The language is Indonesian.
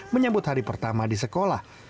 menyambut hari pertama di sekolah